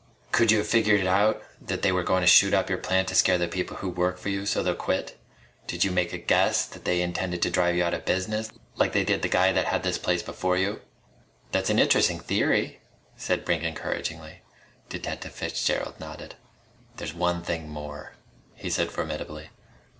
"Could you've figured it out that they were goin' to shoot up your plant to scare the people who work for you so they'll quit? Did you make a guess they intended to drive you outta business like they did the guy that had this place before you?" "That's an interesting theory," said Brink encouragingly. Detective Fitzgerald nodded. "There's one thing more," he said formidably.